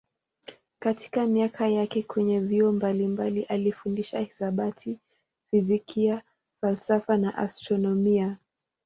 Katika miaka yake kwenye vyuo mbalimbali alifundisha hisabati, fizikia, falsafa na astronomia.